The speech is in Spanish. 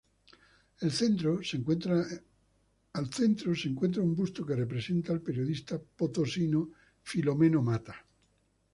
Al centro se encuentra un busto que representa al periodista potosino Filomeno Mata.